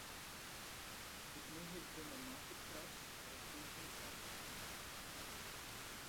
It may have been a market cross or a preaching cross.